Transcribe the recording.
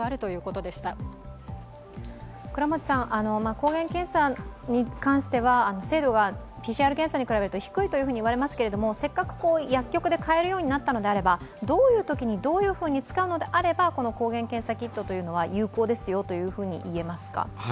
抗原検査に関しては精度がＰＣＲ検査に比べると低いといわれますけどせっかく薬局で買えるようになったのであれば、どういうふうに使うのであれば抗原検査キットが有効ですよと言えますか？